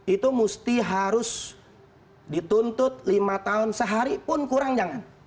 itu mesti harus dituntut lima tahun sehari pun kurang jangan